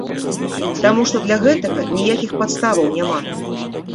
Таму што для гэтага ніякіх падставаў няма.